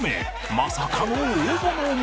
まさかの大物も！